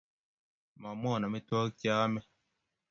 Mamwoun amitwogik che aame